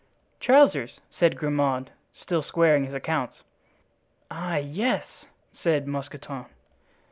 "Trousers," said Grimaud, still squaring his accounts. "Ah, yes!" said Mousqueton.